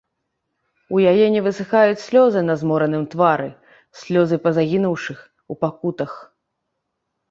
У яе не высыхаюць слёзы на змораным твары, слёзы па загінуўшых у пакутах.